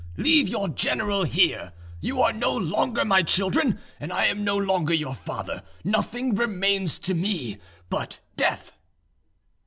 Leave your general here. You are no longer my children, and I am no longer your father; nothing remains to me but death."